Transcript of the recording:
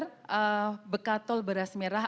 bekatul beras merah bisa dikenal oleh masyarakat